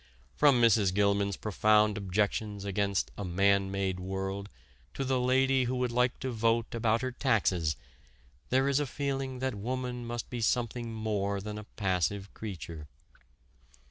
From Mrs. Gilman's profound objections against a "man made" world to the lady who would like to vote about her taxes, there is a feeling that woman must be something more than a passive creature.